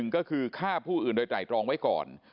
ก็คือฆ่าผู้อื่นโดยไตรตรองไว้ก่อน